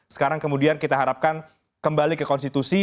sekarang kemudian kita harapkan kembali ke konstitusi